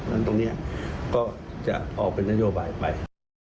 นั้นตรงนี้ก็จะออกเป็นนโยบายไป